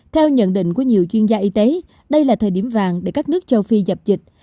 theo nhận định của nhiều chuyên gia y tế đây là thời điểm vàng để các nước châu phi dập dịch